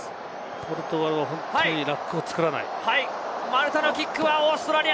ポルトガルは本当にラックを作らない。